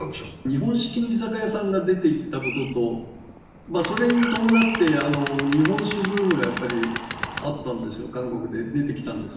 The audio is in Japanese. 日本式の居酒屋さんが出ていったことと、それに伴って日本酒ブームがやっぱり、あったんですよ、韓国で出てきたんです。